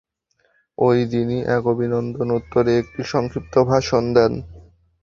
ঐ দিনই এক অভিনন্দনের উত্তরে একটি সংক্ষিপ্ত ভাষণ দেন।